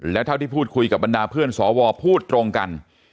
และเท่าที่พูดคุยกับบรรดาเพื่อนสวพูดตรงกัน